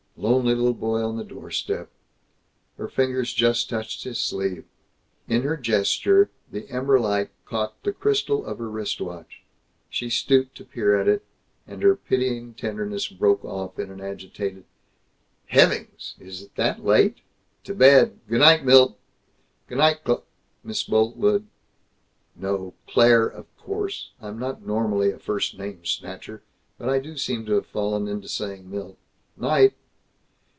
Lonely little boy on the doorstep!" Her fingers just touched his sleeve. In her gesture, the ember light caught the crystal of her wrist watch. She stooped to peer at it, and her pitying tenderness broke off in an agitated: "Heavings! Is it that late? To bed! Good night, Milt." "Good night, Cl Miss Boltwood." "No. 'Claire,' of course. I'm not normally a first name snatcher, but I do seem to have fallen into saying 'Milt.' Night!"